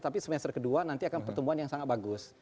tapi semester kedua nanti akan pertumbuhan yang sangat bagus